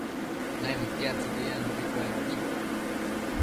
naimëdtiadtsëcquio yannubi cuenobi